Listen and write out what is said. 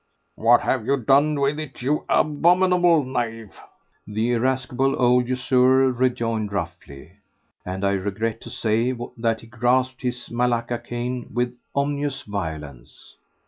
"What have you done with it, you abominable knave?" the irascible old usurer rejoined roughly, and I regret to say that he grasped his malacca cane with ominous violence.